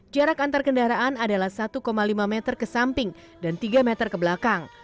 jarak antar kendaraan adalah satu lima meter ke samping dan tiga meter ke belakang